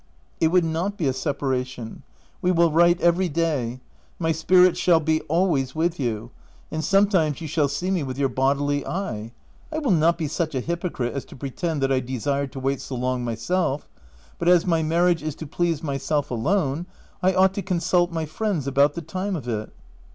"It would not be a separation : we will write every day ; my spirit shall be always with you ; and sometimes you shall see me with your bodily eye. I will not be such a hypocrite as to pretend that I desire to wait so long myself, but as my marriage is to please myself alone, I ought to consult my friends about the time of it."